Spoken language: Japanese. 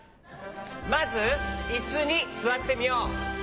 まずいすにすわってみよう。